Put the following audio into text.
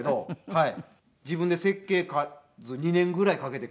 はい。